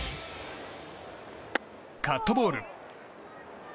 カットボール。